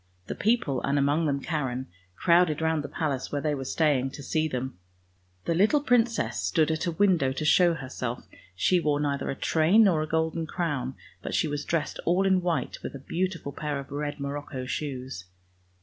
The people, and among them Karen, crowded round the palace where they were staying, to see them. The little princess stood 62 THE RED SHOES 63 at a window to show herself. She wore neither a train nor a golden crown, but she was dressed all in white with a beautiful pair of red morocco shoes.